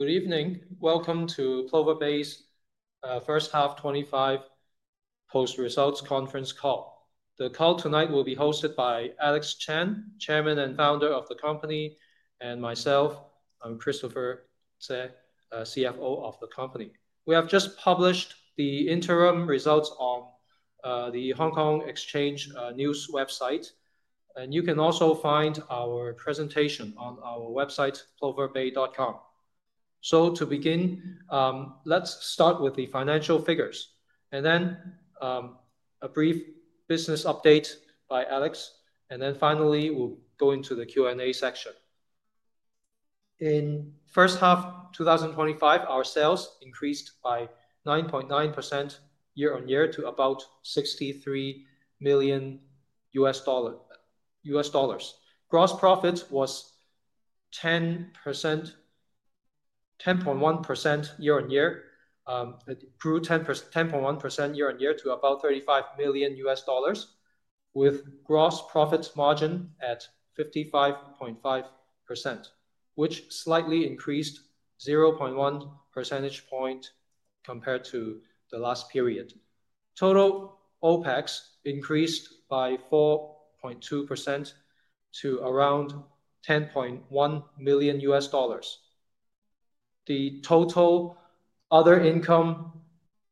Good evening. Welcome to Plover Bay's first half 2025 post-results conference call. The call tonight will be hosted by Alex Chan, Chairman and Founder of the company, and myself, I'm Christopher Tse, CFO of the company. We have just published the interim results on the Hong Kong Exchange news website, and you can also find our presentation on our website ploverbay.com. To begin, let's start with the financial figures, and then a brief business update by Alex. Finally, we'll go into the Q&A section. In the first half 2025, our sales increased by 9.9% year-on-year to about $63 million. Gross profits were 10.1% year-on-year. It grew 10.1% year-on-year to about $35 million, with gross profit margin at 55.5%, which slightly increased 0.1 percentage point compared to the last period. Total OpEx increased by 4.2% to around $10.1 million. The total other income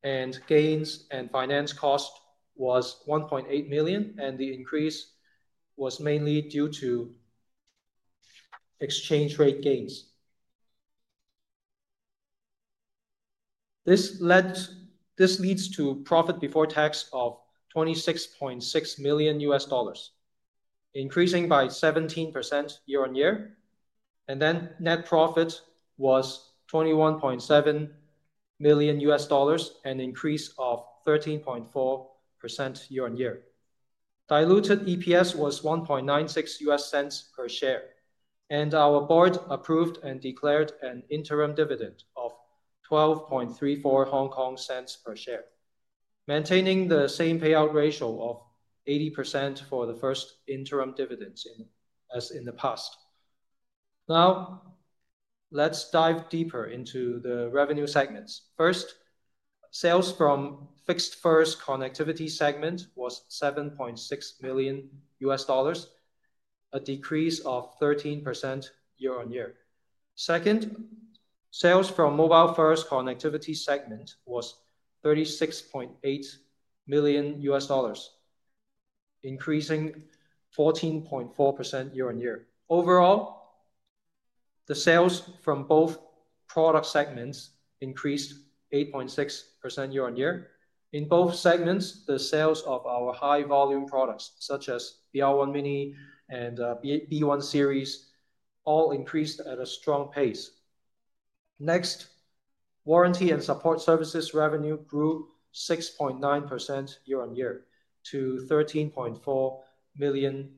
and gains and finance cost was $1.8 million, and the increase was mainly due to exchange rate gains. This leads to profit before tax of $26.6 million, increasing by 17% year-on-year. Net profit was $21.7 million, an increase of 13.4% year-on-year. Diluted EPS was $0.0196 per share, and our board approved and declared an interim dividend of 0.1234 per share, maintaining the same payout ratio of 80% for the first interim dividends as in the past. Now, let's dive deeper into the revenue segments. First, sales from fixed-first connectivity segment was $7.6 million, a decrease of 13% year-on-year. Second, sales from mobile-first connectivity segment was $36.8 million, increasing 14.4% year-on-year. Overall, the sales from both product segments increased 8.6% year-on-year. In both segments, the sales of our high-volume products such as BR1 Mini and B One series all increased at a strong pace. Next, warranty and support services revenue grew 6.9% year-on-year to $13.4 million,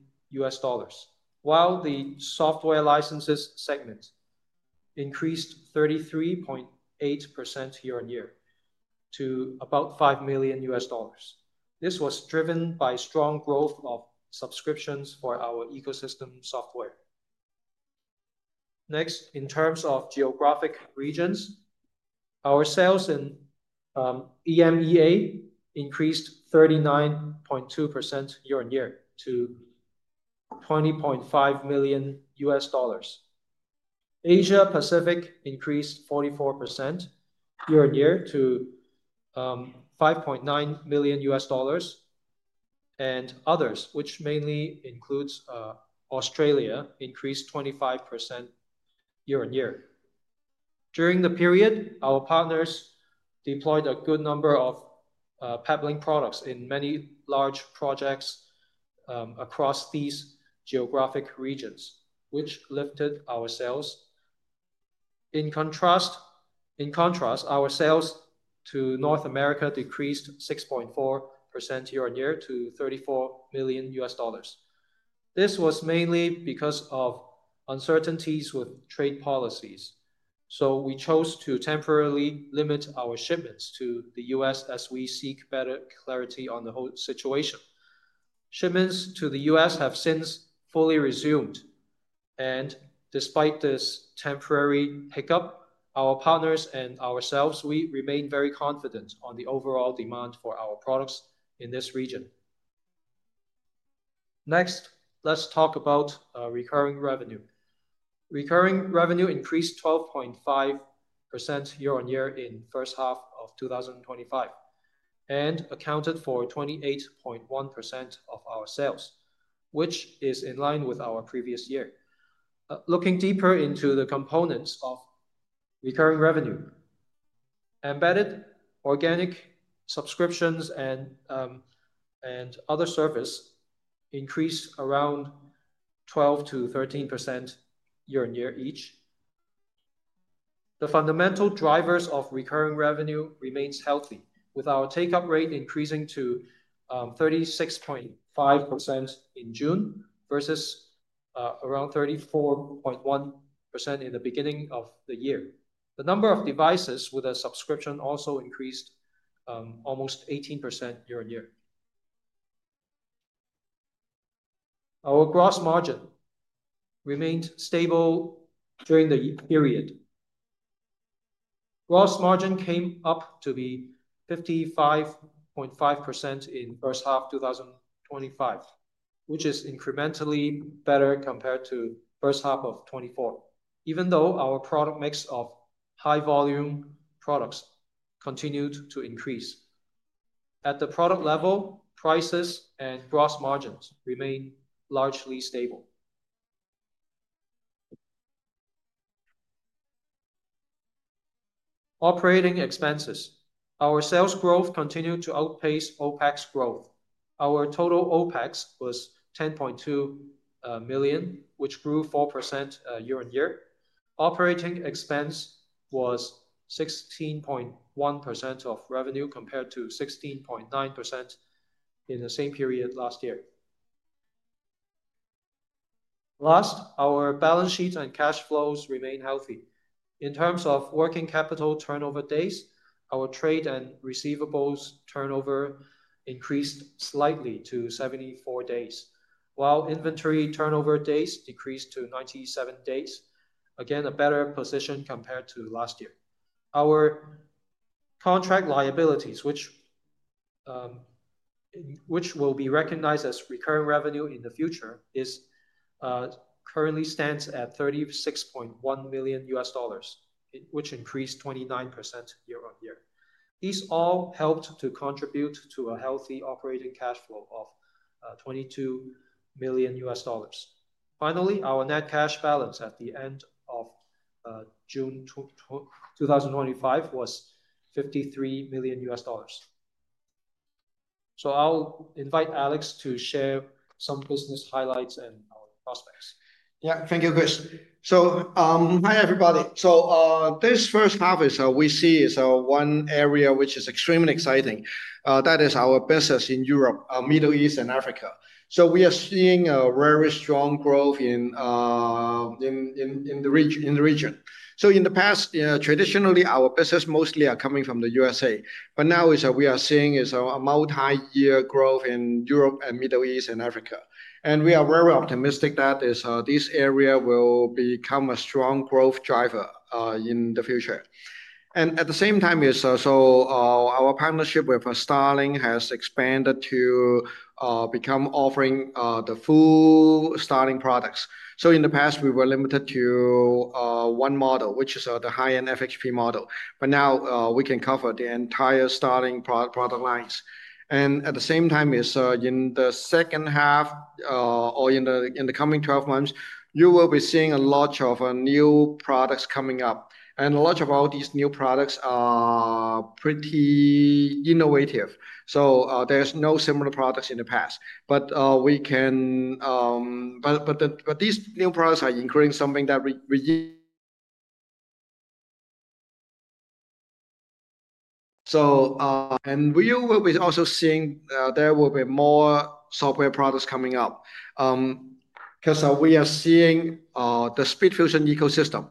while the software licenses segment increased 33.8% year-on-year to about $5 million. This was driven by strong growth of subscriptions for our ecosystem software. Next, in terms of geographic regions, our sales in EMEA increased 39.2% year-on-year to $20.5 million. Asia-Pacific increased 44% year-on-year to $5.9 million, and others, which mainly include Australia, increased 25% year-on-year. During the period, our partners deployed a good number of Peplink products in many large projects across these geographic regions, which lifted our sales. In contrast, our sales to North America decreased 6.4% year-on-year to $34 million. This was mainly because of uncertainties with trade policies, so we chose to temporarily limit our shipments to the U.S. as we seek better clarity on the whole situation. Shipments to the U.S. have since fully resumed, and despite this temporary pickup, our partners and ourselves, we remain very confident on the overall demand for our products in this region. Next, let's talk about recurring revenue. Recurring revenue increased 12.5% year-on-year in the first half of 2025 and accounted for 28.1% of our sales, which is in line with our previous year. Looking deeper into the components of recurring revenue, embedded organic subscriptions and other services increased around 12%-13% year-on-year each. The fundamental drivers of recurring revenue remain healthy, with our take-up rate increasing to 36.5% in June versus around 34.1% in the beginning of the year. The number of devices with a subscription also increased almost 18% year-on-year. Our gross margin remained stable during the period. Gross margin came up to be 55.5% in the first half 2025, which is incrementally better compared to the first half of 2024, even though our product mix of high-volume products continued to increase. At the product level, prices and gross margins remain largely stable. Operating expenses. Our sales growth continued to outpace OpEx growth. Our total OpEx was $10.2 million, which grew 4% year-on-year. Operating expense was 16.1% of revenue compared to 16.9% in the same period last year. Last, our balance sheets and cash flows remain healthy. In terms of working capital turnover days, our trade and receivables turnover increased slightly to 74 days, while inventory turnover days decreased to 97 days, again a better position compared to last year. Our contract liabilities, which will be recognized as recurring revenue in the future, currently stand at $36.1 million, which increased 29% year-on-year. These all helped to contribute to a healthy operating cash flow of $22 million. Finally, our net cash balance at the end of June 2025 was $53 million. I'll invite Alex to share some business highlights and our prospects. Yeah, thank you, Chris. Hi everybody. This first half, we see one area which is extremely exciting, that is our business in Europe, Middle East, and Africa. We are seeing a very strong growth in the region. In the past, traditionally, our business mostly is coming from the U.S.A., but now we are seeing a multi-year growth in Europe and the Middle East and Africa. We are very optimistic that this area will become a strong growth driver in the future. At the same time, our partnership with Starlink has expanded to become offering the full Starlink products. In the past, we were limited to one model, which is the high-end FHP model, but now we can cover the entire Starlink product lines. At the same time, in the second half or in the coming 12 months, you will be seeing a lot of new products coming up. A lot of all these new products are pretty innovative. There are no similar products in the past. These new products are including something that we. We will be also seeing there will be more software products coming up. We are seeing the SpeedFusion ecosystem.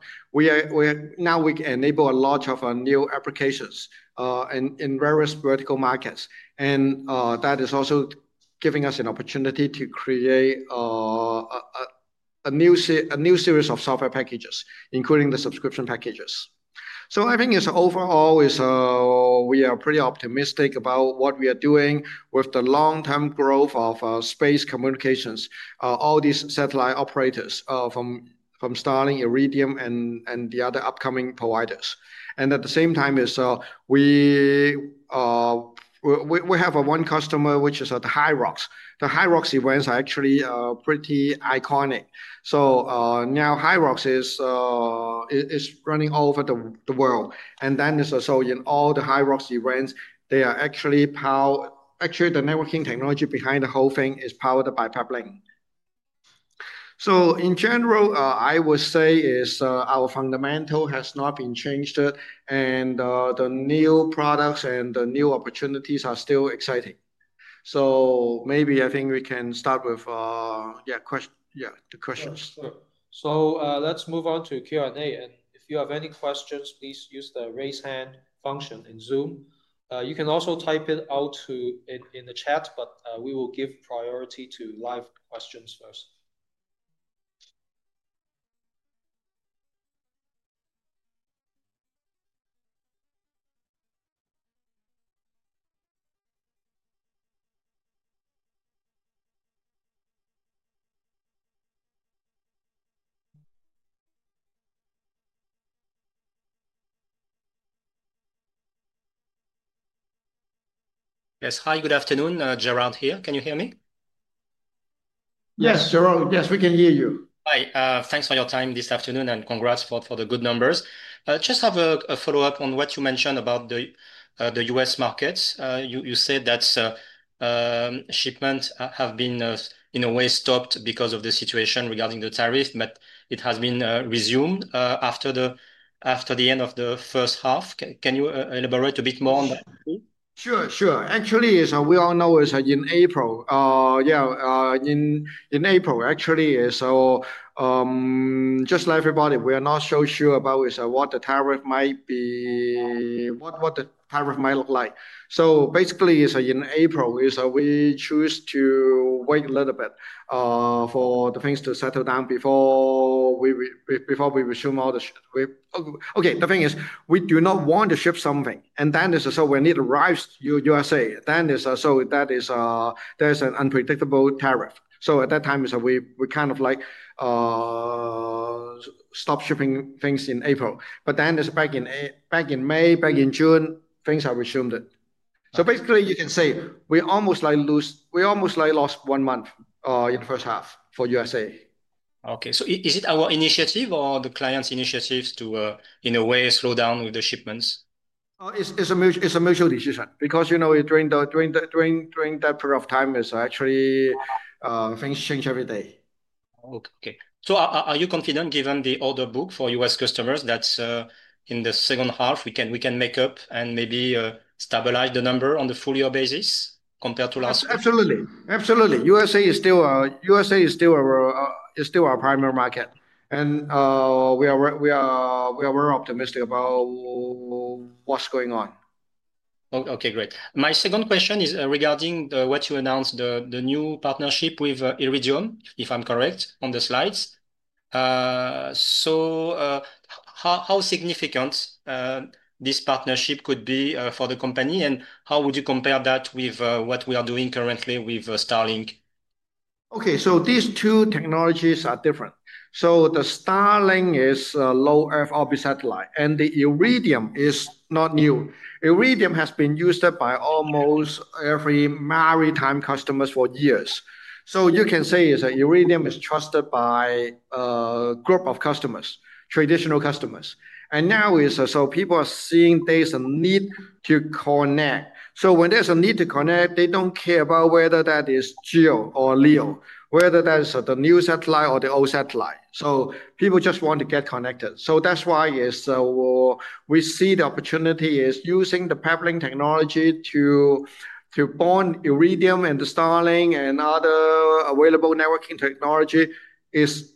Now we can enable a lot of new applications in various vertical markets. That is also giving us an opportunity to create a new series of software packages, including the subscription packages. I think overall, we are pretty optimistic about what we are doing with the long-term growth of space communications, all these satellite operators from Starlink, Iridium, and the other upcoming providers. At the same time, we have one customer, which is the HYROX. The HYROX events are actually pretty iconic. Now HYROX is running all over the world. In all the HYROX events, they are actually powered, actually the networking technology behind the whole thing is powered by Peplink. In general, I would say our fundamental has not been changed, and the new products and the new opportunities are still exciting. Maybe I think we can start with questions. Sure. Let's move on to Q&A. If you have any questions, please use the raise hand function in Zoom. You can also type it out in the chat, but we will give priority to live questions first. Yes, hi, good afternoon. Gerald here. Can you hear me? Yes, Gerald, yes, we can hear you. Hi, thanks for your time this afternoon and congrats for the good numbers. Just have a follow-up on what you mentioned about the U.S. markets. You said that shipments have been, in a way, stopped because of the situation regarding the tariffs, but it has been resumed after the end of the first half. Can you elaborate a bit more on that? Sure, sure. Actually, as we all know, in April, yeah, in April, actually, just like everybody, we are not so sure about what the tariff might be, what the tariff might look like. Basically, in April, we choose to wait a little bit for the things to settle down before we resume all the shipments. The thing is, we do not want to ship something, and then when it arrives in the U.S.A., there's an unpredictable tariff. At that time, we kind of like stop shipping things in April. It's back in May, back in June, things are resumed. Basically, you can say we almost like lost one month in the first half for the U.S.A. Is it our initiative or the client's initiative to, in a way, slow down with the shipments? It's a mutual decision because, you know, during that period of time, things change every day. Are you confident given the order book for U.S. customers that in the second half we can make up and maybe stabilize the number on the full year basis compared to last? Absolutely, absolutely. U.S.A. is still our primary market, and we are very optimistic about what's going on. Okay, great. My second question is regarding what you announced, the new partnership with Iridium, if I'm correct, on the slides. How significant this partnership could be for the company, and how would you compare that with what we are doing currently with Starlink? Okay, these two technologies are different. The Starlink is a low Earth orbit satellite, and the Iridium is not new. Iridium has been used by almost every maritime customer for years. You can say Iridium is trusted by a group of customers, traditional customers. Now, people are seeing there's a need to connect. When there's a need to connect, they don't care about whether that is GEO or LEO, whether that's the new satellite or the old satellite. People just want to get connected. That's why we see the opportunity is using the Peplink technology to bond Iridium and the Starlink and other available networking technology is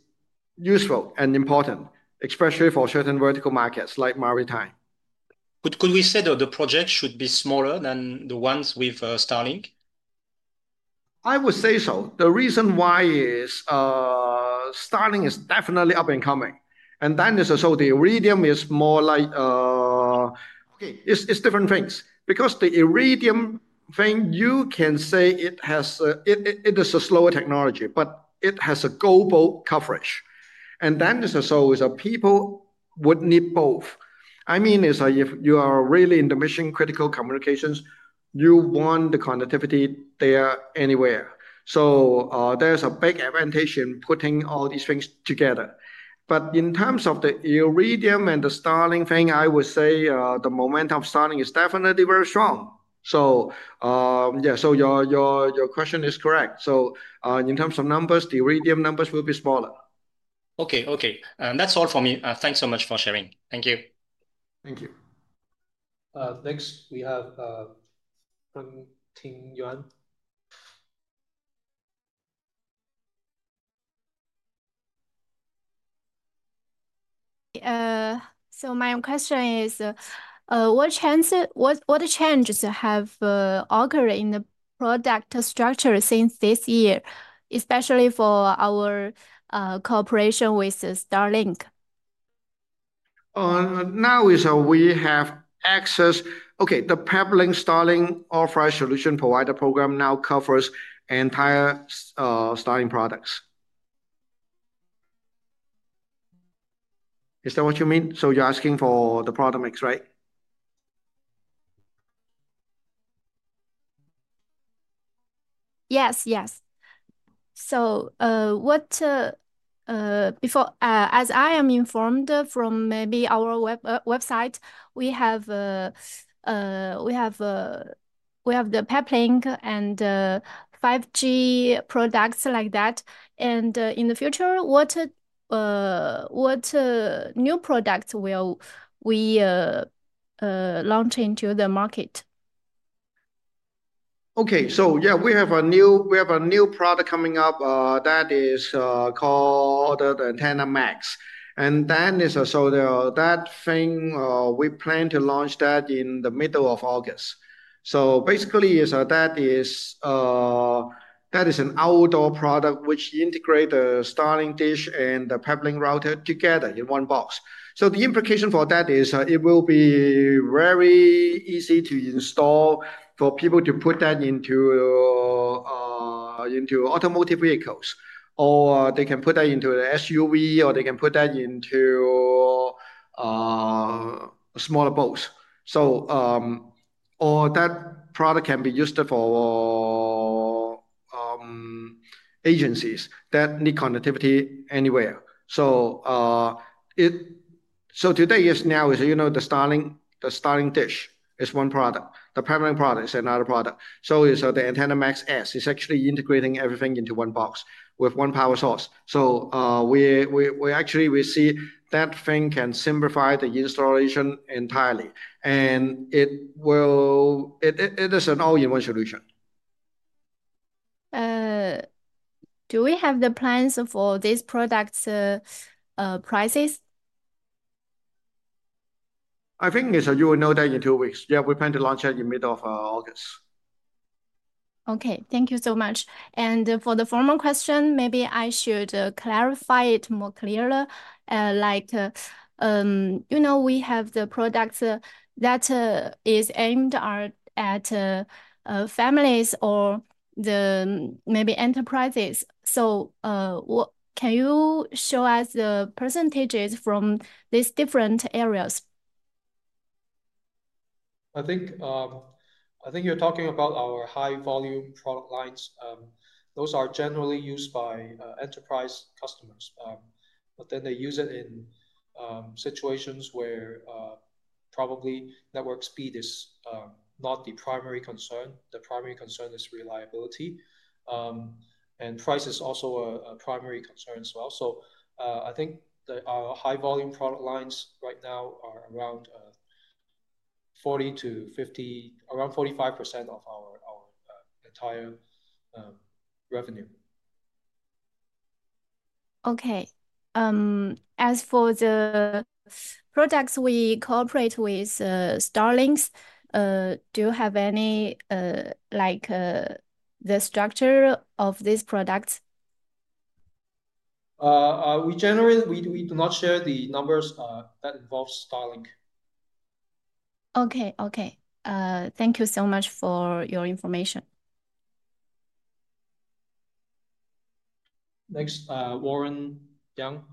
useful and important, especially for certain vertical markets like maritime. Could we say that the project should be smaller than the ones with Starlink? I would say so. The reason why is Starlink is definitely up and coming. Iridium is more like, okay, it's different things. Because the Iridium thing, you can say it has a slower technology, but it has a global coverage. People would need both. I mean, if you are really in the mission-critical communications, you want the connectivity there anywhere. There's a big advantage in putting all these things together. In terms of the Iridium and the Starlink thing, I would say the momentum of Starlink is definitely very strong. Your question is correct. In terms of numbers, the Iridium numbers will be smaller. Okay, that's all for me. Thanks so much for sharing. Thank you. Thank you. Next, we have Ting Yuan. My question is, what changes have occurred in the product structure since this year, especially for our cooperation with Starlink? Now, we have access. Okay, the Peplink Starlink office solution provider program now covers entire Starlink products. Is that what you mean? You're asking for the product mix, right? Yes, yes. As I am informed from maybe our website, we have the Peplink and 5G products like that. In the future, what new products will we launch into the market? Okay, so yeah, we have a new product coming up that is called Antenna MAX. We plan to launch that in the middle of August. Basically, that is an outdoor product which integrates the Starlink dish and the Peplink router together in one box. The implication for that is it will be very easy to install for people to put that into automotive vehicles. They can put that into an SUV, or they can put that into smaller boats. That product can be used for agencies that need connectivity anywhere. Today, yes, now, you know, the Starlink dish is one product. The Peplink product is another product. The Antenna MAX S is actually integrating everything into one box with one power source. We actually will see that thing can simplify the installation entirely. It is an all-in-one solution. Do we have the plans for this product's prices? I think you will know that in two weeks. Yeah, we plan to launch that in the middle of August. Okay, thank you so much. For the formal question, maybe I should clarify it more clearly. Like, you know, we have the products that are aimed at families or maybe enterprises. Can you show us the percentages from these different areas? I think you're talking about our high-volume product lines. Those are generally used by enterprise customers. They use it in situations where probably network speed is not the primary concern. The primary concern is reliability, and price is also a primary concern as well. I think our high-volume product lines right now are around 40%-50%, around 45% of our entire revenue. Okay. As for the products we cooperate with, Starlink, do you have any structure of these products? We do not share the numbers that involve Starlink. Okay. Thank you so much for your information. Next, Warren Yang.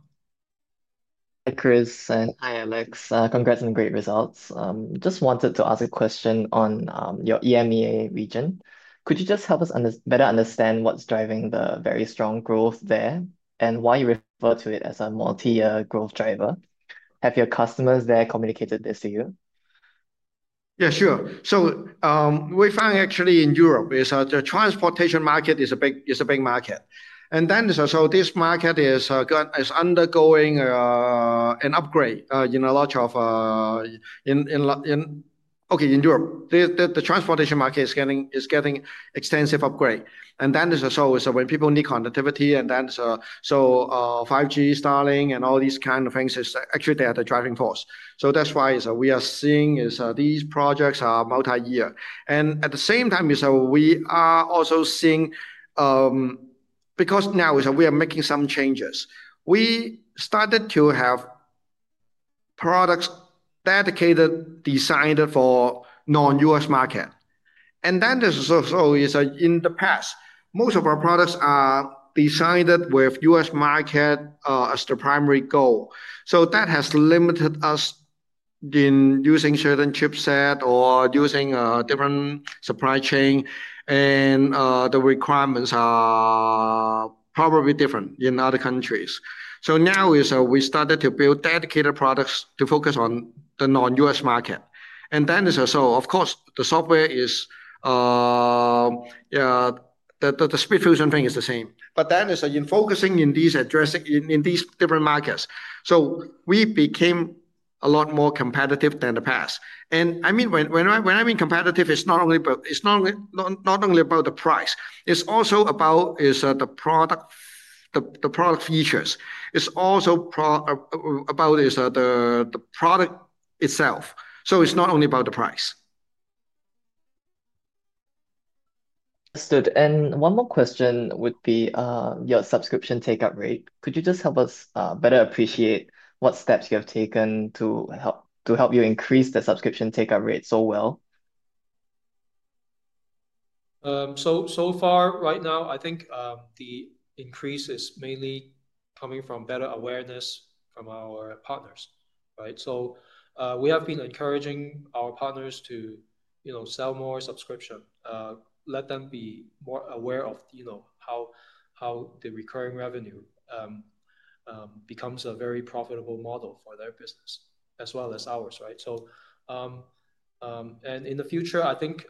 Hi, Chris. Hi, Alex. Congrats on the great results. Just wanted to ask a question on your EMEA region. Could you just help us better understand what's driving the very strong growth there and why you refer to it as a multi-year growth driver? Have your customers there communicated this to you? Yeah, sure. We found actually in Europe, the transportation market is a big market. This market is undergoing an upgrade in a lot of, okay, in Europe, the transportation market is getting an extensive upgrade. When people need connectivity, 5G, Starlink, and all these kinds of things, it's actually there the driving force. That's why we are seeing these projects are multi-year. At the same time, we are also seeing because now we are making some changes. We started to have products dedicated designed for non-U.S. market. In the past, most of our products are designed with U.S. market as the primary goal. That has limited us in using certain chipset or using a different supply chain. The requirements are probably different in other countries. Now we started to build dedicated products to focus on the non-U.S. market. Of course, the software is, yeah, the SpeedFusion thing is the same. In focusing in these addressing in these different markets, we became a lot more competitive than the past. When I mean competitive, it's not only about the price. It's also about the product features. It's also about the product itself. It's not only about the price. Understood. One more question would be your subscription take-up rate. Could you just help us better appreciate what steps you have taken to help you increase the subscription take-up rate so well? So far right now, I think the increase is mainly coming from better awareness from our partners. We have been encouraging our partners to sell more subscription, let them be more aware of how the recurring revenue becomes a very profitable model for their business as well as ours. In the future, I think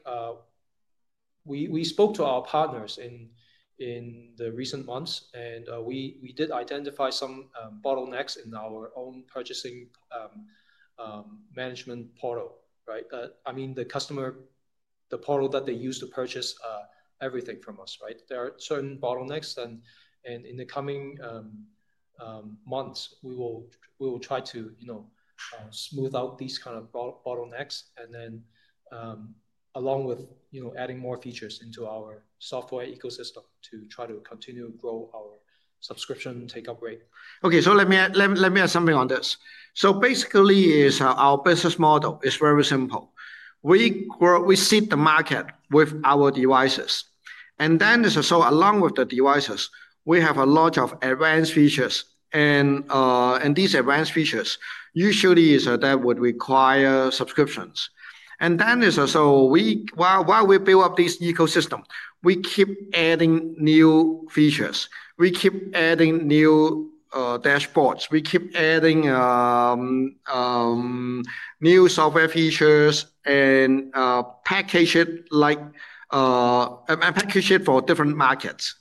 we spoke to our partners in the recent months, and we did identify some bottlenecks in our own purchasing management portal. I mean, the portal that they use to purchase everything from us. There are certain bottlenecks, and in the coming months, we will try to smooth out these kind of bottlenecks, and then along with adding more features into our software ecosystem to try to continue to grow our subscription take-up rate. Let me add something on this. Basically, our business model is very simple. We seed the market with our devices. Along with the devices, we have a lot of advanced features, and these advanced features usually would require subscriptions. While we build up this ecosystem, we keep adding new features. We keep adding new dashboards. We keep adding new software features and packaging for different markets.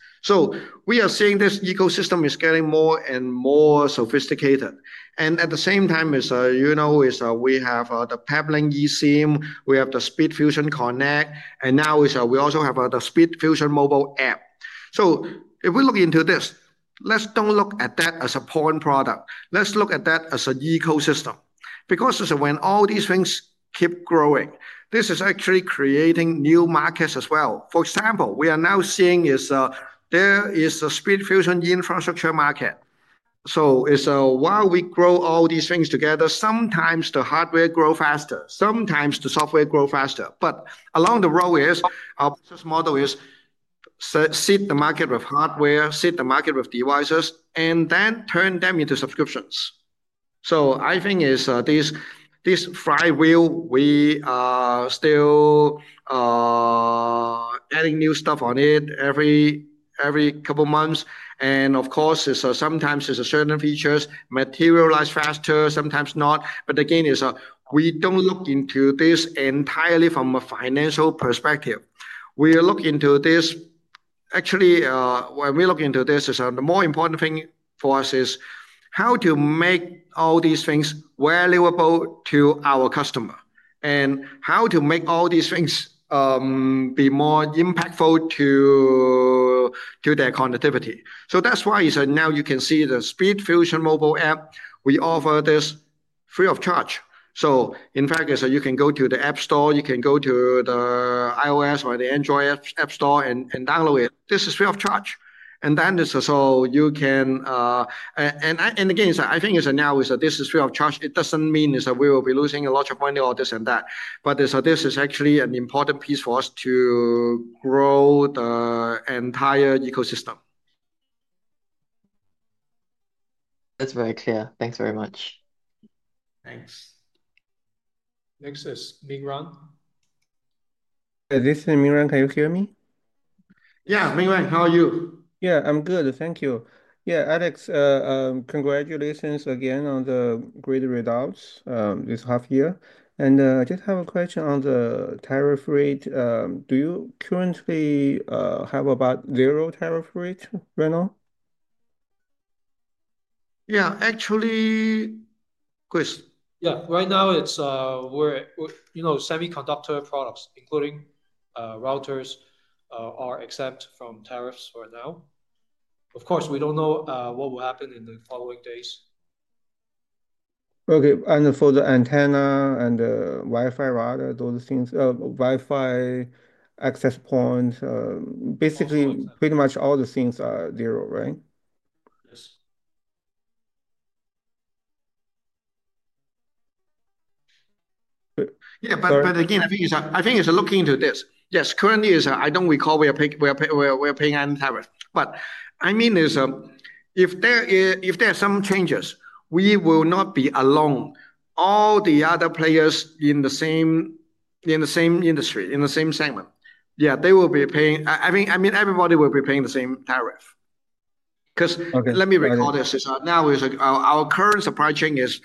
We are seeing this ecosystem is getting more and more sophisticated. At the same time, we have the Peplink eSIM, we have the SpeedFusion Connect, and now we also have the SpeedFusion mobile app. If we look into this, let's not look at that as a point product. Let's look at that as an ecosystem. When all these things keep growing, this is actually creating new markets as well. For example, we are now seeing there is a SpeedFusion infrastructure market. While we grow all these things together, sometimes the hardware grows faster, sometimes the software grows faster. Along the road, our business model is to seed the market with hardware, seed the market with devices, and then turn them into subscriptions. I think it's this flywheel. We are still adding new stuff on it every couple of months. Of course, sometimes certain features materialize faster, sometimes not. We don't look into this entirely from a financial perspective. When we look into this, the more important thing for us is how to make all these things valuable to our customer and how to make all these things be more impactful to their connectivity. That's why now you can see the SpeedFusion mobile app. We offer this free of charge. In practice, you can go to the app store, you can go to the iOS or the Android app store and download it. This is free of charge. I think now this is free of charge. It doesn't mean we will be losing a lot of money or this and that. This is actually an important piece for us to grow the entire ecosystem. That's very clear. Thanks very much. Thanks. Next is Ming Ran. This is Ming Ran. Can you hear me? Yeah, Ming Ran, how are you? Yeah, I'm good. Thank you. Yeah, Alex, congratulations again on the great results this half year. I just have a question on the tariff rate. Do you currently have about zero tariff rate right now? Yeah, actually, Chris. Right now it's where semiconductor products, including routers, are exempt from tariffs right now. Of course, we don't know what will happen in the following days. Okay, and for the antenna and the Wi-Fi router, those things, Wi-Fi access points, basically, pretty much all the things are zero, right? Yeah, but again, I think it's looking into this. Yes, currently, I don't recall we are paying any tariff. If there are some changes, we will not be alone. All the other players in the same industry, in the same segment, they will be paying. Everybody will be paying the same tariff. Let me recall this. Now, our current supply chain is,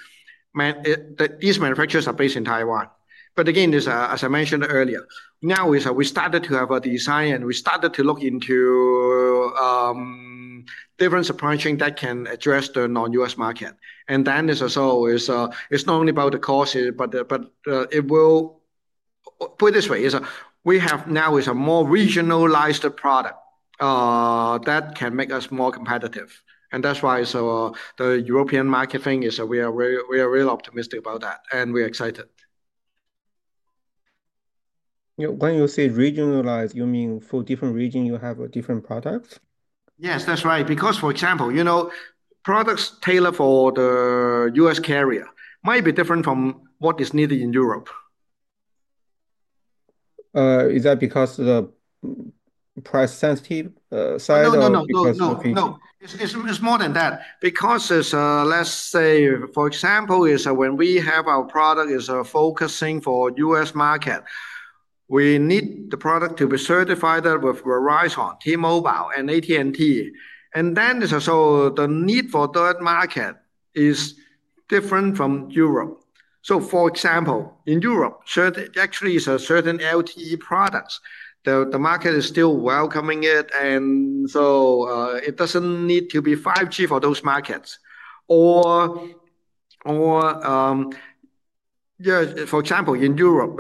these manufacturers are based in Taiwan. As I mentioned earlier, we started to have a design and we started to look into different supply chains that can address the non-U.S. market. It's not only about the cost, but we have now a more regionalized product that can make us more competitive. That's why the European market thing is that we are really optimistic about that and we're excited. When you say regionalized, you mean for different regions, you have different products? Yes, that's right. For example, products tailored for the U.S. carrier might be different from what is needed in Europe. Is that because of the price sensitive side of the business? It's more than that. For example, when we have our product focusing for the U.S. market, we need the product to be certified with Verizon, T-Mobile, and AT&T. The need for the third market is different from Europe. For example, in Europe, certain LTE products, the market is still welcoming it, and it doesn't need to be 5G for those markets. For example, in Europe,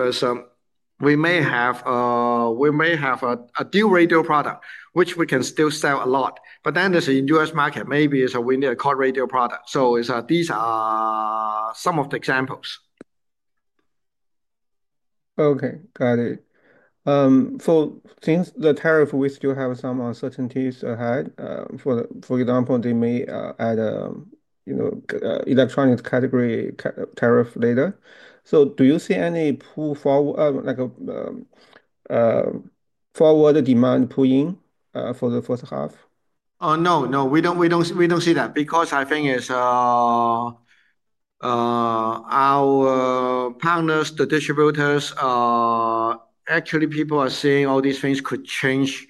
we may have a dual radio product, which we can still sell a lot. In the U.S. market, maybe we need a quad radio product. These are some of the examples. Okay, got it. Since the tariff, we still have some uncertainties ahead. For example, they may add an electronics category tariff later. Do you see any forward demand pull in for the first half? No, we don't see that because I think it's our partners, the distributors. Actually, people are seeing all these things could change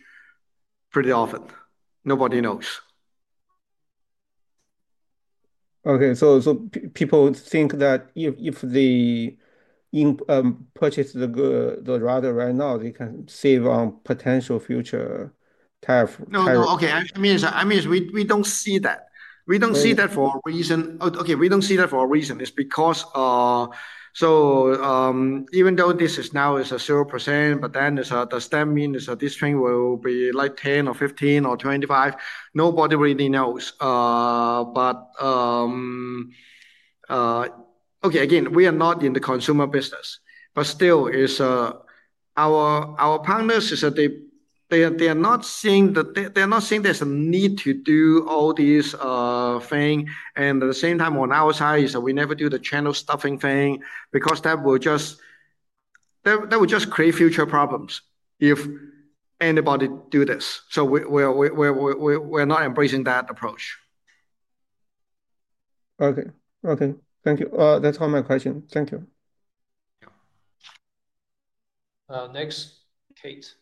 pretty often. Nobody knows. Okay, so people think that if they purchase the router right now, they can save on potential future tariff. We don't see that for a reason. It's because even though this is now at 0%, does that mean this thing will be like 10% or 15% or 25%? Nobody really knows. We are not in the consumer business, but still, our partners are not seeing there's a need to do all these things. At the same time, on our side, we never do the channel stuffing thing because that will just create future problems if anybody does this. We're not embracing that approach. Okay. Thank you. That's all my question. Thank you. Next, Kate?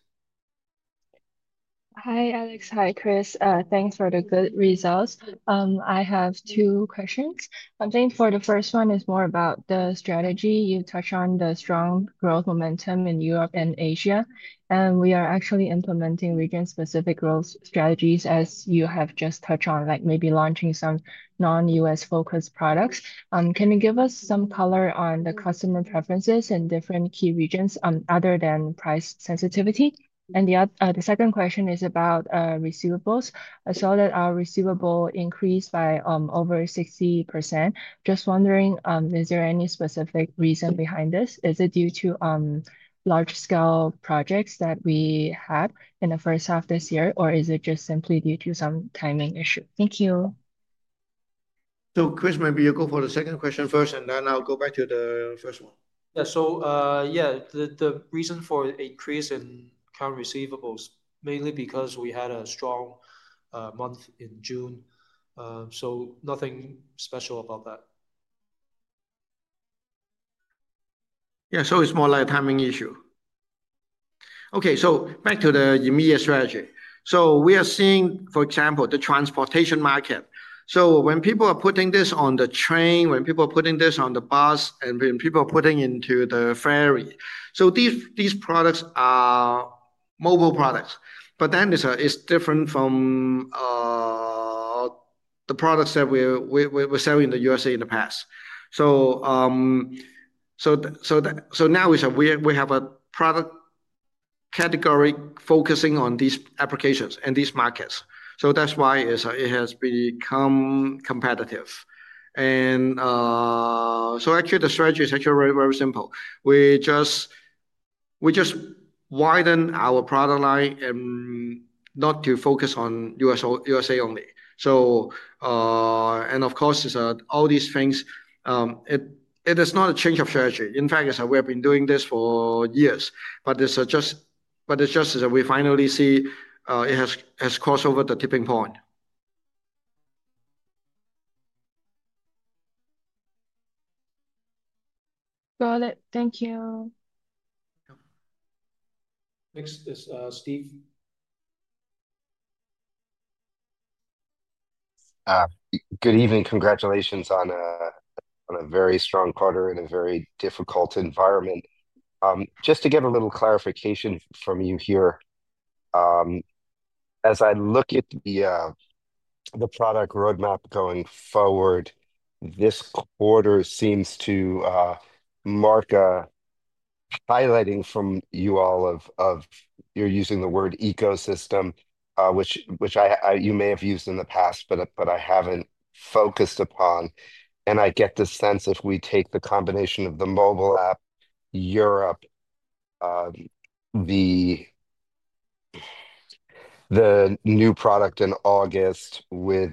Hi, Alex. Hi, Chris. Thanks for the good results. I have two questions. I think the first one is more about the strategy. You touched on the strong growth momentum in Europe and Asia. We are actually implementing region-specific growth strategies, as you have just touched on, like maybe launching some non-U.S. focused products. Can you give us some color on the customer preferences in different key regions other than price sensitivity? The second question is about receivables. I saw that our receivable increased by over 60%. Just wondering, is there any specific reason behind this? Is it due to large-scale projects that we had in the first half this year, or is it just simply due to some timing issue? Thank you. Chris, maybe you go for the second question first, and then I'll go back to the first one. The reason for an increase in current receivables is mainly because we had a strong month in June. Nothing special about that. It's more like a timing issue. Back to the EMEA strategy, we are seeing, for example, the transportation market. When people are putting this on the train, when people are putting this on the bus, and when people are putting it into the ferry, these products are mobile products. It's different from the products that we were selling in the U.S. in the past. Now we have a product category focusing on these applications and these markets. That's why it has become competitive. Actually, the strategy is very, very simple. We just widen our product line and not focus on the U.S. only. Of course, all these things, it is not a change of strategy. In fact, we have been doing this for years. It's just that we finally see it has crossed over the tipping point. Got it. Thank you. Next is Steve. Good evening. Congratulations on a very strong quarter in a very difficult environment. Just to get a little clarification from you here, as I look at the product roadmap going forward, this quarter seems to mark a highlighting from you all of you're using the word ecosystem, which you may have used in the past, but I haven't focused upon. I get the sense if we take the combination of the mobile app, Europe, the new product in August with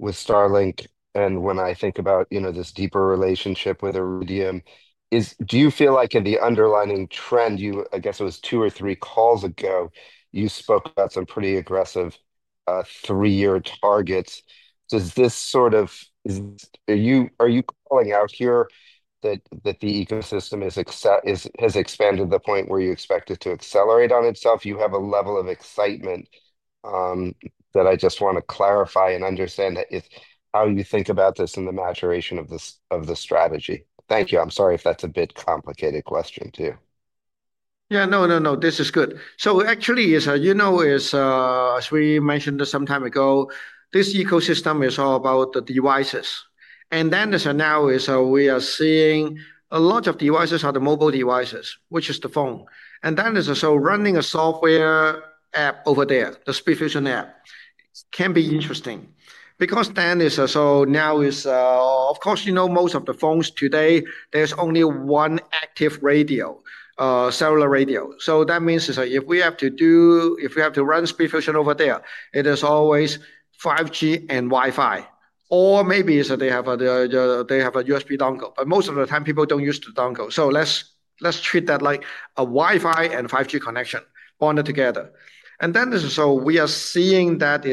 Starlink, and when I think about this deeper relationship with Iridium, do you feel like in the underlining trend, I guess it was two or three calls ago, you spoke about some pretty aggressive three-year targets? Are you calling out here that the ecosystem has expanded to the point where you expect it to accelerate on itself? You have a level of excitement that I just want to clarify and understand that it's how you think about this in the maturation of the strategy. Thank you. I'm sorry if that's a bit complicated question too. No, this is good. As we mentioned some time ago, this ecosystem is all about the devices. Now we are seeing a lot of devices are the mobile devices, which is the phone. Running a software app over there, the SpeedFusion app, can be interesting because most of the phones today, there's only one active radio, cellular radio. That means if we have to run SpeedFusion over there, it is always 5G and Wi-Fi. Or maybe they have a USB dongle, but most of the time, people don't use the dongle. Let's treat that like a Wi-Fi and 5G connection, bonded together. We are seeing that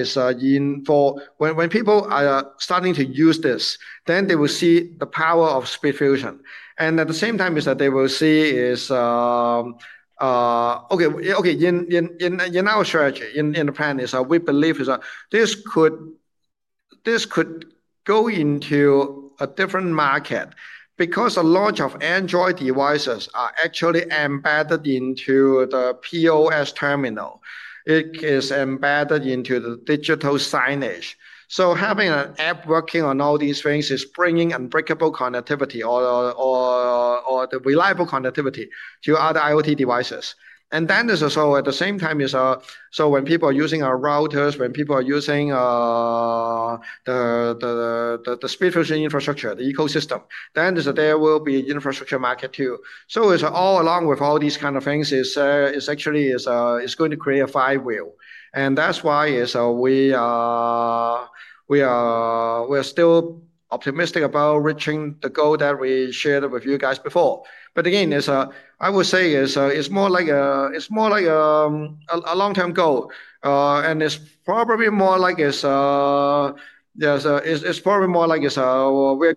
when people are starting to use this, they will see the power of SpeedFusion. At the same time, they will see, in our strategy, in the plan, we believe this could go into a different market because a lot of Android devices are actually embedded into the POS terminal. It is embedded into the digital signage. Having an app working on all these things is bringing unbreakable connectivity or the reliable connectivity to other IoT devices. At the same time, when people are using our routers, when people are using the SpeedFusion infrastructure, the ecosystem, then there will be an infrastructure market too. Along with all these kinds of things, it's actually going to create a flywheel. That's why we are still optimistic about reaching the goal that we shared with you guys before. I would say it's more like a long-term goal. It's probably more like we're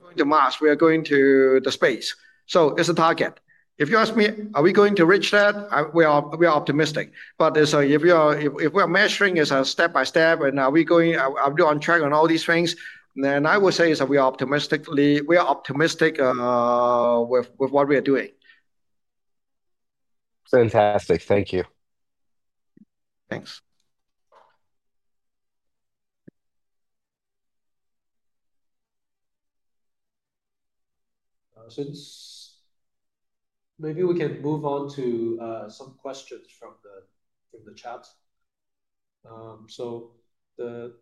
going to Mars, we're going to the space. It's a target. If you ask me, are we going to reach that? We are optimistic. If we are measuring it step by step and are we on track on all these things, then I would say we are optimistic with what we are doing. Fantastic. Thank you. Thanks. Thousands. Maybe we can move on to some questions from the chat. The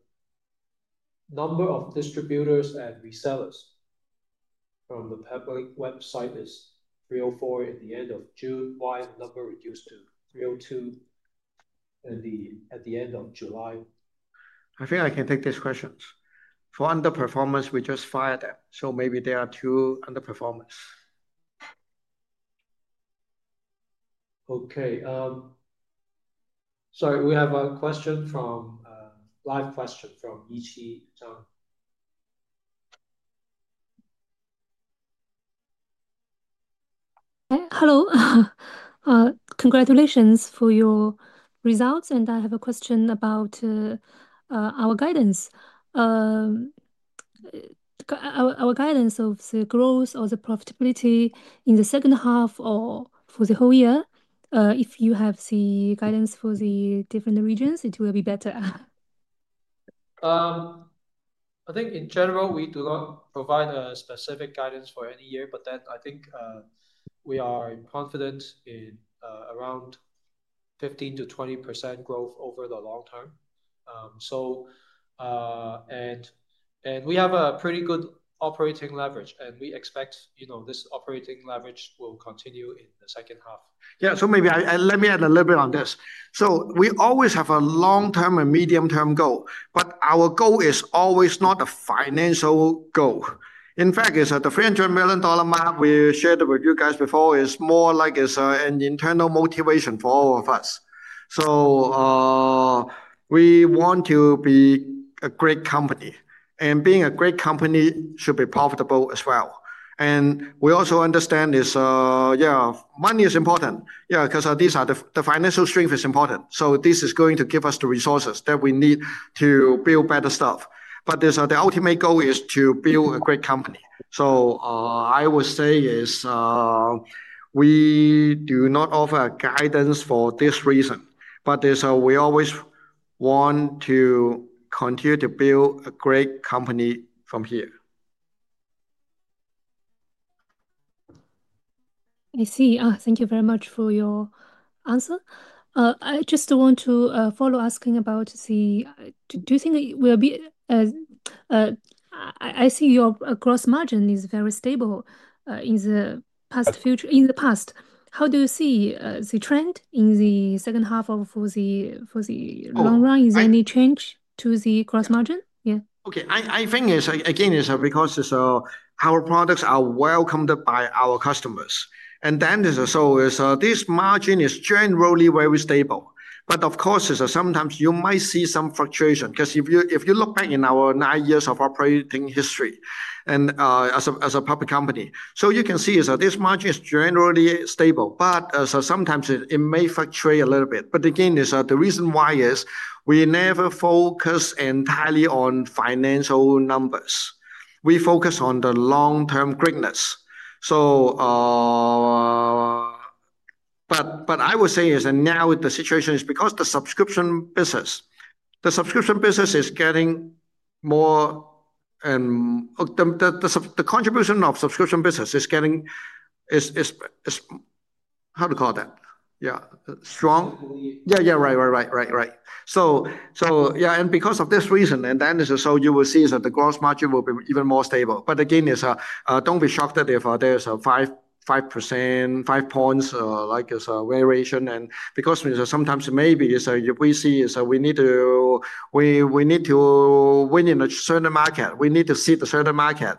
number of distributors and resellers from the Peplink website is 304 at the end of June. Why did the number reduce to 302 at the end of July? I think I can take these questions. For underperformance, we just fired them. Maybe there are two underperformance. Okay. Sorry, we have a question from a live question from Yiti. Hello. Congratulations for your results. I have a question about our guidance. Our guidance of the growth or the profitability in the second half or for the whole year, if you have the guidance for the different regions, it will be better. I think in general, we do not provide a specific guidance for any year, but I think we are confident in around 15%-20% growth over the long term. We have a pretty good operating leverage, and we expect this operating leverage will continue in the second half. Maybe let me add a little bit on this. We always have a long-term and medium-term goal, but our goal is always not a financial goal. In fact, the $300 million mark we shared with you guys before is more like an internal motivation for all of us. We want to be a great company, and being a great company should be profitable as well. We also understand this, money is important, because the financial strength is important. This is going to give us the resources that we need to build better stuff. The ultimate goal is to build a great company. I would say we do not offer guidance for this reason, but we always want to continue to build a great company from here. I see. Thank you very much for your answer. I just want to follow asking about the, do you think we'll be, I see your gross margin is very stable in the past. How do you see the trend in the second half or for the long run? Is there any change to the gross margin? Yeah. Okay. I think, again, it's because our products are welcomed by our customers, and this margin is generally very stable. Of course, sometimes you might see some fluctuation because if you look back in our nine years of operating history as a public company, you can see this margin is generally stable, but sometimes it may fluctuate a little bit. The reason why is we never focus entirely on financial numbers. We focus on the long-term greatness. I would say now the situation is because the subscription business is getting more, and the contribution of the subscription business is getting, how do you call that? Yeah, strong. Yeah, right, right, right, right, right. Because of this reason, you will see that the gross margin will be even more stable. Don't be shocked if there's a 5%, 5 points like variation. Sometimes maybe we see we need to win in a certain market. We need to see the certain market.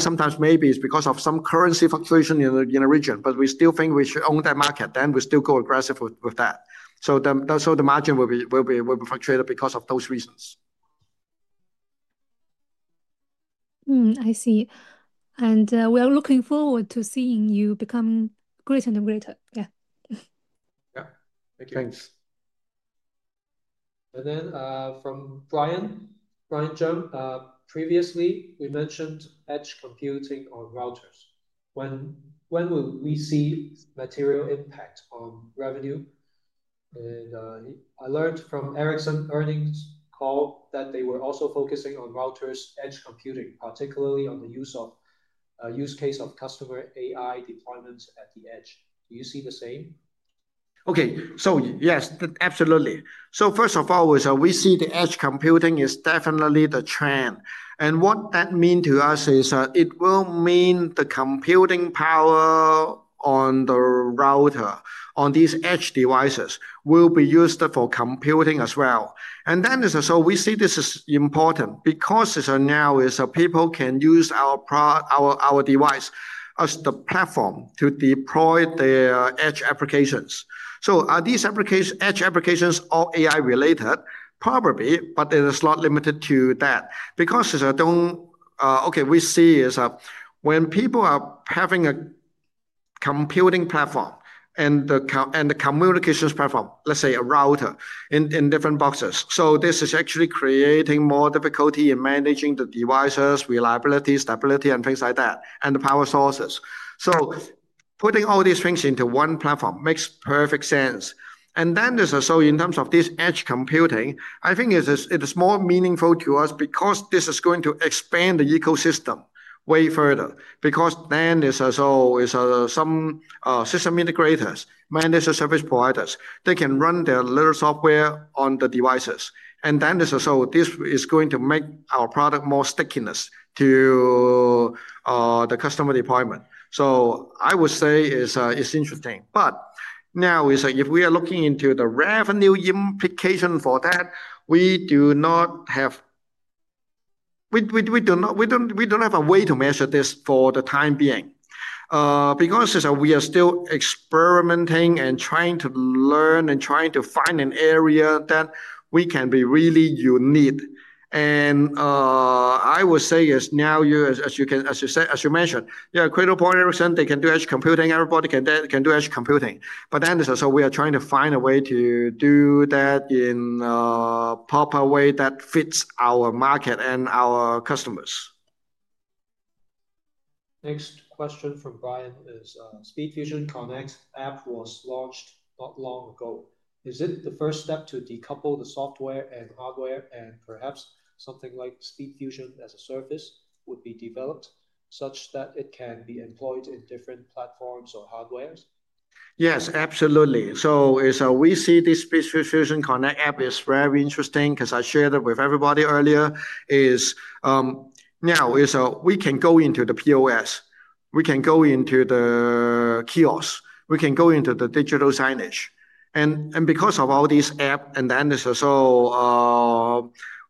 Sometimes maybe it's because of some currency fluctuation in a region, but we still think we should own that market. We still go aggressive with that. The margin will be fluctuated because of those reasons. I see. We are looking forward to seeing you become greater and greater. Yeah. Thank you. Thanks. From Brian, Brian Chung. Previously, we mentioned edge computing on routers. When will we see material impact on revenue? An alert from Ericsson earnings called that they were also focusing on routers, edge computing, particularly on the use case of customer AI deployment at the edge. Do you see the same? Okay. Yes, absolutely. First of all, we see the edge computing is definitely the trend. What that means to us is it will mean the computing power on the router on these edge devices will be used for computing as well. We see this is important because now people can use our device as the platform to deploy their edge applications. Are these edge applications all AI-related? Probably, but it is not limited to that. We see when people are having a computing platform and the communications platform, let's say a router in different boxes, this is actually creating more difficulty in managing the devices, reliability, stability, things like that, and the power sources. Putting all these things into one platform makes perfect sense. In terms of this edge computing, I think it is more meaningful to us because this is going to expand the ecosystem way further. Some system integrators, managed service providers, they can run their little software on the devices. This is going to make our product more stickiness to the customer deployment. I would say it's interesting. If we are looking into the revenue implication for that, we do not have, we don't have a way to measure this for the time being. We are still experimenting and trying to learn and trying to find an area that we can be really unique. As you said, as you mentioned, yeah, Cradlepoint, Ericsson, they can do edge computing. Everybody can do edge computing. We are trying to find a way to do that in a proper way that fits our market and our customers. Next question from Brian is, SpeedFusion Connect app was launched not long ago. Is it the first step to decouple the software and hardware, and perhaps something like SpeedFusion as a service would be developed such that it can be employed in different platforms or hardware? Yes, absolutely. We see the SpeedFusion Connect app is very interesting because I shared it with everybody earlier. Now, we can go into the POS, we can go into the kiosk, we can go into the digital signage. Because of all these apps,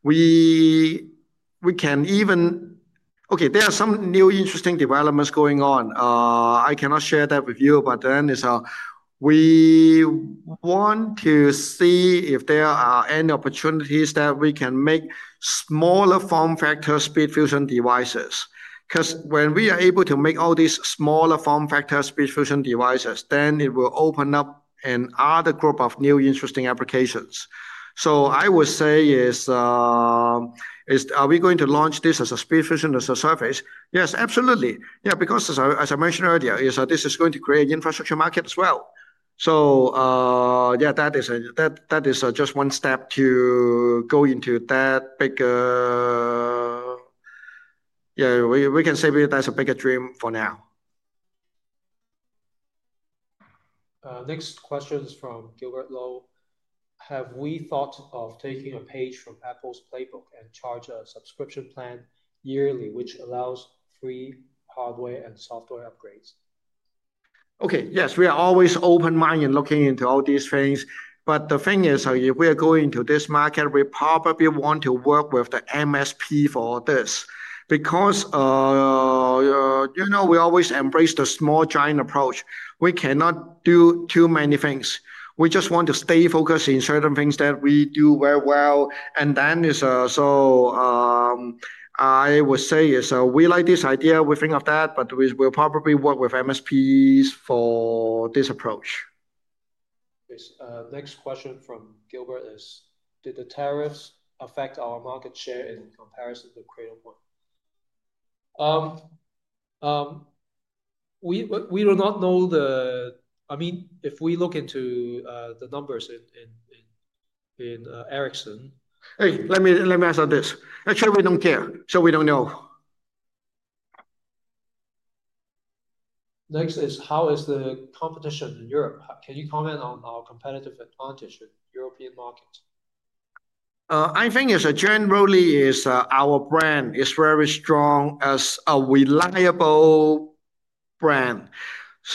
we can even, there are some new interesting developments going on. I cannot share that with you, but we want to see if there are any opportunities that we can make smaller form factor SpeedFusion devices. When we are able to make all these smaller form factor SpeedFusion devices, it will open up another group of new interesting applications. I would say, are we going to launch this as a SpeedFusion as a service? Yes, absolutely. As I mentioned earlier, this is going to create an infrastructure market as well. That is just one step to go into that bigger, we can say that's a bigger dream for now. Next question is from Gilbert Lo. Have we thought of taking a page from Apple's Playbook and charge a subscription plan yearly, which allows free hardware and software upgrades? Okay, yes, we are always open-minded looking into all these things. The thing is, if we are going into this market, we probably want to work with the MSP for this. You know, we always embrace the small giant approach. We cannot do too many things. We just want to stay focused in certain things that we do very well. I would say we like this idea. We think of that, but we will probably work with MSPs for this approach. Next question from Gilbert is, did the tariffs affect our market share in comparison to Cradlepoint? If we look into the numbers in Ericsson. Let me answer this. Actually, we don't care. We don't know. Next is, how is the competition in Europe? Can you comment on our competitive advantage in the European market? I think generally our brand is very strong as a reliable brand.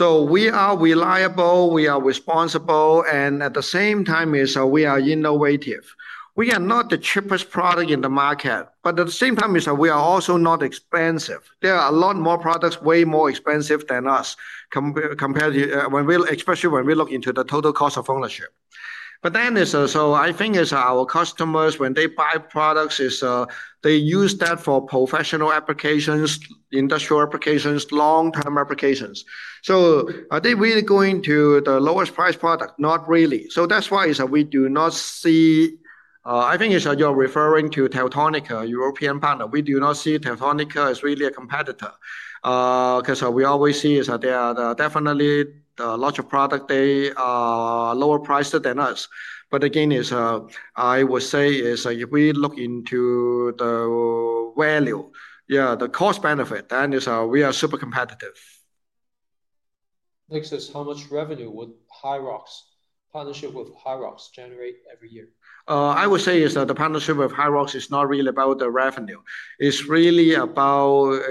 We are reliable. We are responsible. At the same time, we are innovative. We are not the cheapest product in the market, but at the same time, we are also not expensive. There are a lot more products way more expensive than us, especially when we look into the total cost of ownership. I think our customers, when they buy products, they use that for professional applications, industrial applications, long-term applications. Are they really going to the lowest price product? Not really. That's why we do not see, I think you're referring to Teltonika, a European partner. We do not see Teltonika as really a competitor because we always see that they are definitely a larger product. They are lower priced than us. Again, I would say if we look into the value, the cost benefit, then we are super competitive. Next is, how much revenue would HYROX partnership with HYROX generate every year? I would say the partnership with HYROX is not really about the revenue. It's really about,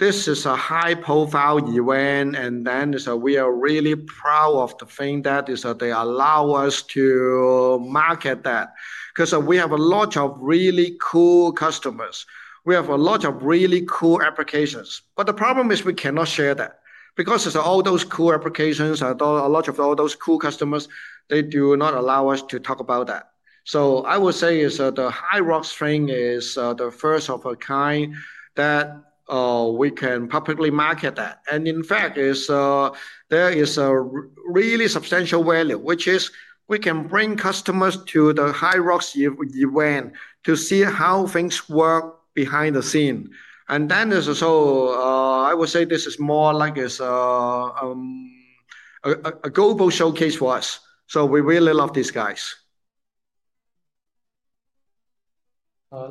this is a high-profile event. We are really proud of the thing that they allow us to market that. We have a lot of really cool customers. We have a lot of really cool applications. The problem is we cannot share that, because all those cool applications, a lot of all those cool customers, they do not allow us to talk about that. I would say the HYROX thing is the first of a kind that we can publicly market that. In fact, there is a really substantial value, which is we can bring customers to the HYROX event to see how things work behind the scene. I would say this is more like a global showcase for us. We really love these guys.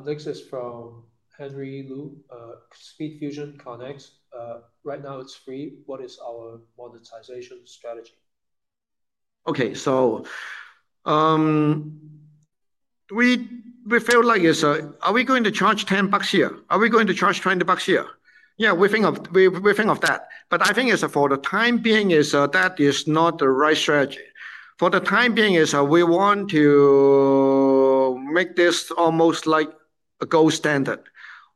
Next is from Henry Lu. SpeedFusion Connect. Right now it's free. What is our monetization strategy? Okay, we feel like, are we going to charge $10 here? Are we going to charge $20 here? Yeah, we think of that. For the time being, that is not the right strategy. For the time being, we want to make this almost like a gold standard.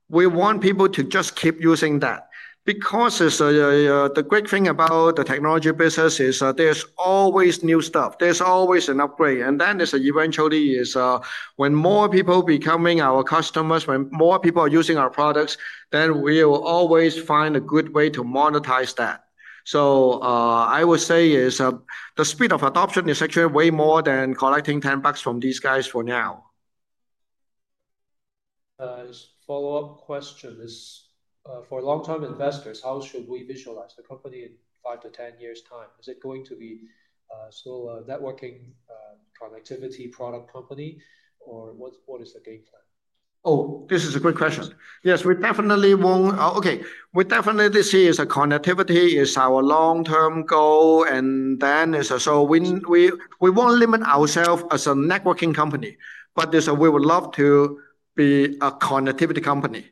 We want people to just keep using that. The great thing about the technology business is there's always new stuff. There's always an upgrade. Eventually, when more people become our customers, when more people are using our products, we will always find a good way to monetize that. I would say the speed of adoption is actually way more than collecting $10 from these guys for now. Follow-up question is, for long-term investors, how should we visualize the company in five to ten years' time? Is it going to be still a networking connectivity product company, or what is the game plan? Oh, this is a great question. Yes, we definitely won't, we definitely see connectivity is our long-term goal. We won't limit ourselves as a networking company. We would love to be a connectivity company,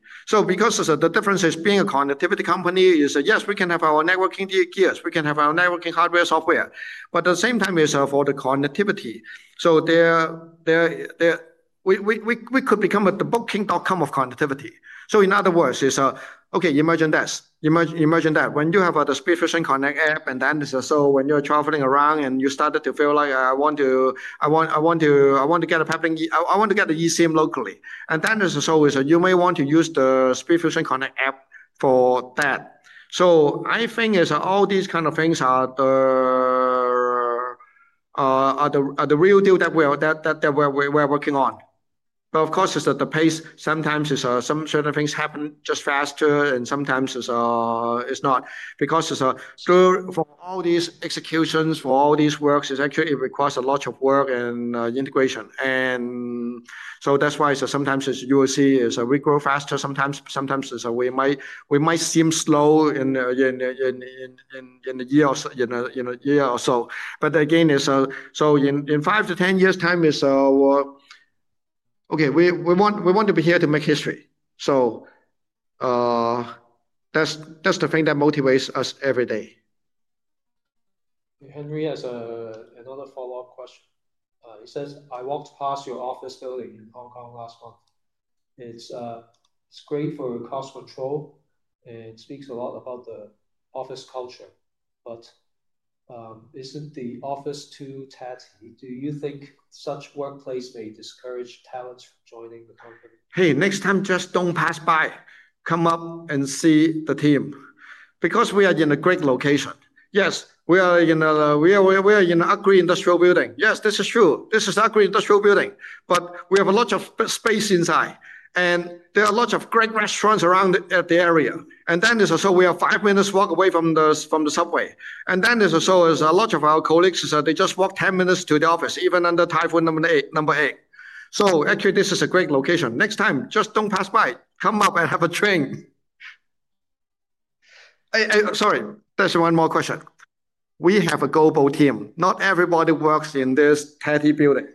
because the difference is being a connectivity company is, yes, we can have our networking gears. We can have our networking hardware and software, but at the same time, it's for the connectivity. We could become the booking.com of connectivity. In other words, imagine this. When you have the SpeedFusion Connect app, when you're traveling around and you started to feel like I want to get a Peplink, I want to get the eSIM locally, you may want to use the SpeedFusion Connect app for that. I think all these kinds of things are the real deal that we are working on. Of course, the pace sometimes is some certain things happen just faster, and sometimes it's not. For all these executions, for all these works, it actually requires a lot of work and integration. That's why sometimes you will see we grow faster. Sometimes we might seem slow in a year or so. Again, in five to ten years' time, we want to be here to make history. That's the thing that motivates us every day. Henry has another follow-up question. He says, I walked past your office building in Hong Kong last month. It's great for cost control. It speaks a lot about the office culture. Isn't the office too tight? Do you think such one place may discourage talents from joining the company? Hey, next time, just don't pass by. Come up and see the team because we are in a great location. Yes, we are in an ugly industrial building. Yes, this is true. This is an ugly industrial building, but we have a lot of space inside, and there are a lot of great restaurants around the area. We are five minutes' walk away from the subway. A lot of our colleagues just walk ten minutes to the office, even under Typhoon No. 8. Actually, this is a great location. Next time, just don't pass by. Come up and have a drink. Sorry, there's one more question. We have a global team. Not everybody works in this tatty building.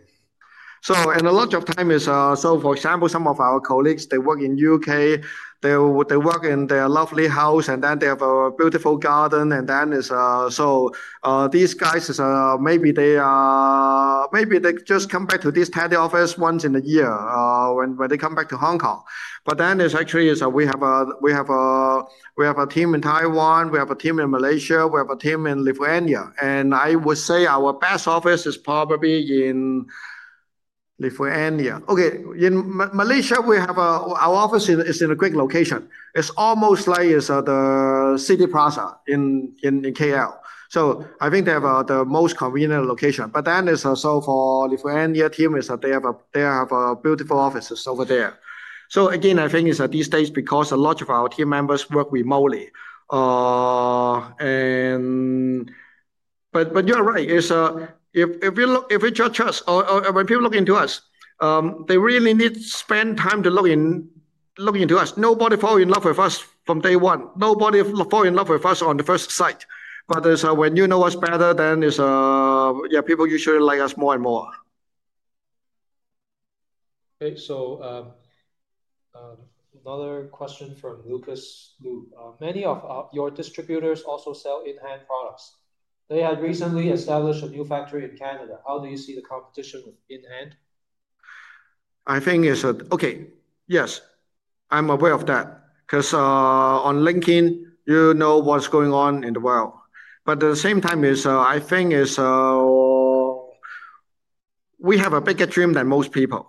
For example, some of our colleagues work in the U.K. They work in their lovely house, and they have a beautiful garden. These guys maybe just come back to this tatty office once in a year when they come back to Hong Kong. Actually, we have a team in Taiwan, a team in Malaysia, and a team in Lithuania. I would say our best office is probably in Lithuania. In Malaysia, our office is in a great location. It's almost like the City Plaza in K.L. I think they have the most convenient location. For the Lithuania team, they have beautiful offices over there. These days, a lot of our team members work remotely. You're right. If we judge us, when people look into us, they really need to spend time to look into us. Nobody falls in love with us from day one. Nobody falls in love with us on the first sight, but when you know us better, then people usually like us more and more. Okay, so another question from Lucas Lu. Many of your distributors also sell InHand products. They have recently established a new factory in Canada. How do you see the competition with InHand? I think it's okay, yes, I'm aware of that. Because on LinkedIn, you know what's going on in the world. At the same time, I think we have a bigger dream than most people.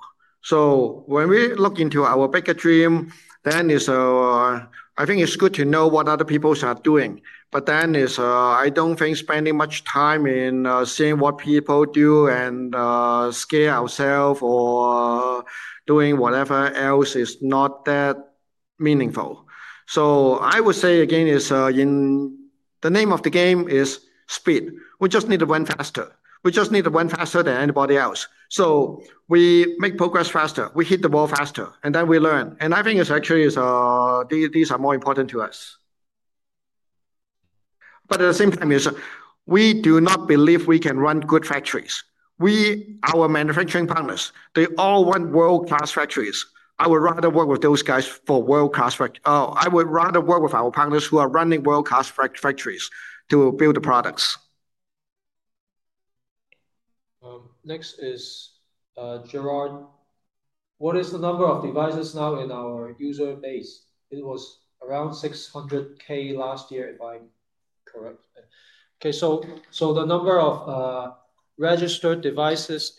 When we look into our bigger dream, then I think it's good to know what other people are doing. I don't think spending much time in seeing what people do and scare ourselves or doing whatever else is that meaningful. I would say, again, the name of the game is speed. We just need to run faster. We just need to run faster than anybody else. We make progress faster. We hit the wall faster. Then we learn. I think actually these are more important to us. At the same time, we do not believe we can run good factories. Our manufacturing partners, they all want world-class factories. I would rather work with those guys for world-class factories. I would rather work with our partners who are running world-class factories to build the products. Next is Gerard. What is the number of devices now in our user base? It was around 600,000 last year, if I'm correct. The number of registered devices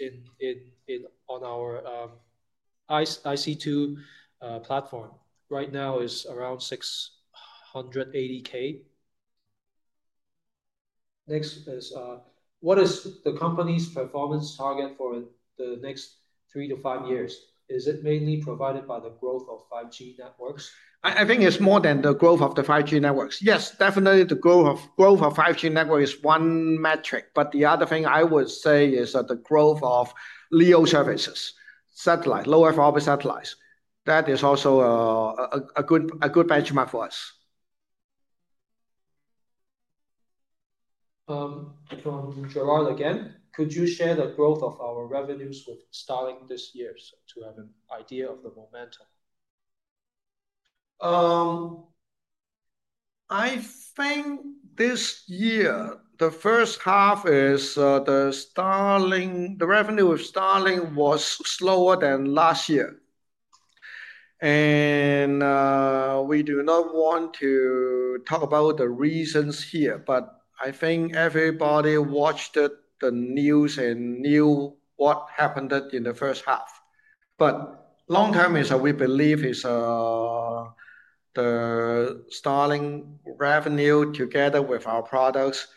on our IC2 platform right now is around 680,000. Next is, what is the company's performance target for the next three to five years? Is it mainly provided by the growth of 5G networks? I think it's more than the growth of the 5G networks. Yes, definitely the growth of 5G networks is one metric. The other thing I would say is the growth of LEO satellite services, low Earth orbit satellites. That is also a good benchmark for us. Next one is from Gerard again. Could you share the growth of our revenues with Starlink this year to have an idea of the momentum? I think this year, the first half, the revenue with Starlink was slower than last year. We do not want to talk about the reasons here. I think everybody watched the news and knew what happened in the first half. Long term, we believe the Starlink revenue together with our products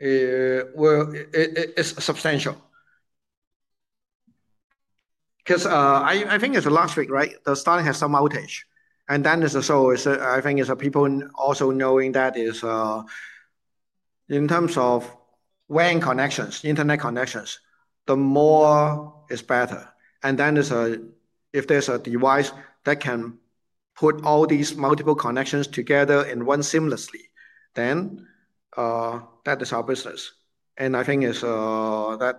is substantial. I think it's the last week, right? Starlink had some outage. I think people also know that in terms of WAN connections, internet connections, the more is better. If there's a device that can put all these multiple connections together in one seamlessly, that is our business. I think that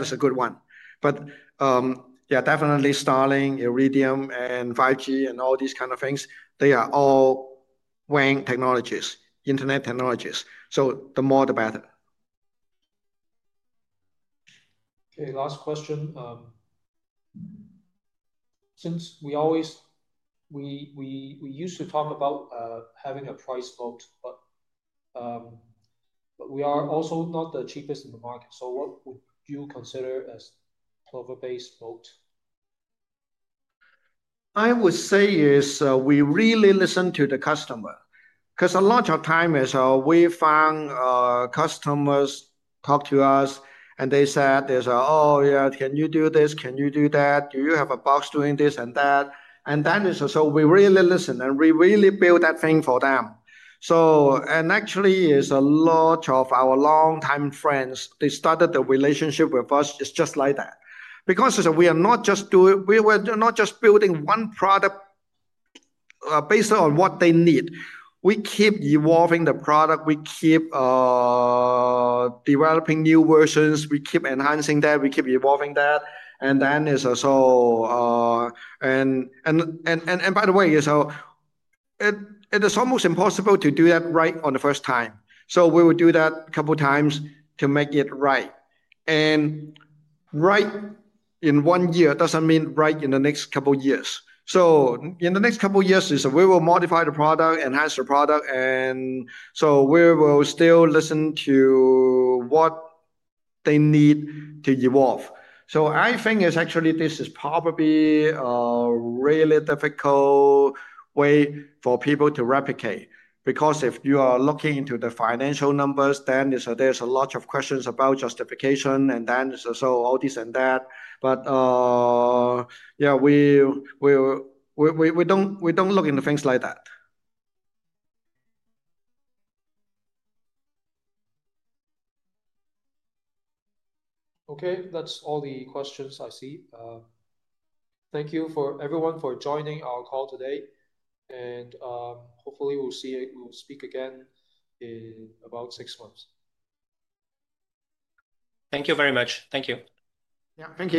is a good one. Definitely Starlink, Iridium, and 5G, and all these kinds of things, they are all WAN technologies, internet technologies. The more, the better. Okay, last question. Since we always, we used to talk about having a price folk, but we are also not the cheapest in the market. What would you consider as Plover Bay's folk? I would say we really listen to the customer. A lot of times, we found customers talk to us and they said, "Oh yeah, can you do this? Can you do that? Do you have a box doing this and that?" We really listen and we really build that thing for them. Actually, a lot of our long-time friends, they started the relationship with us just like that. We were not just building one product based on what they need. We keep evolving the product. We keep developing new versions. We keep enhancing that. We keep evolving that. By the way, it is almost impossible to do that right on the first time. We will do that a couple of times to make it right. Right in one year doesn't mean right in the next couple of years. In the next couple of years, we will modify the product, enhance the product. We will still listen to what they need to evolve. I think actually this is probably a really difficult way for people to replicate. If you are looking into the financial numbers, then there's a lot of questions about justification. All this and that. We don't look into things like that. Okay, that's all the questions I see. Thank you everyone for joining our call today. Hopefully, we'll see you speak again in about six months. Thank you very much. Thank you. Thank you.